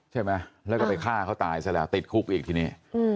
ใช่ไหมแล้วก็ไปฆ่าเขาตายซะแล้วติดคุกอีกทีนี้